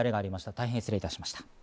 大変失礼いたしました。